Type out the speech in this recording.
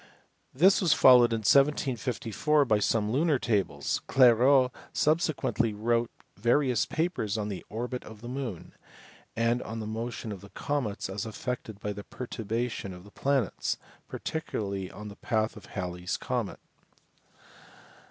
This was followed in 1754 by some lunar tables; Clairaut subsequently wrote various papers on the orbit of the moon, and on the motion of comets as affected by the perturbation of the planets, particularly on the path of Hal ley s comet.